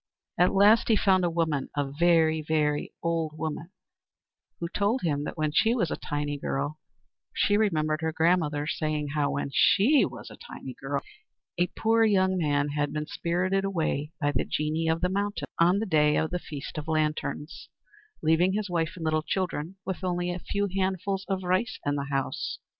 At last he found a woman, a very, very old woman, who told him that when she was a tiny girl she remembered her grandmother saying how, when she was a tiny girl, a poor young man had been spirited away by the Genii of the mountains, on the day of the Feast of Lanterns, leaving his wife and little children with only a few handfuls of rice in the house.